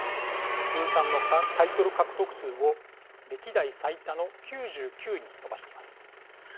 通算のタイトル獲得数を歴代最多の９９に伸ばしています。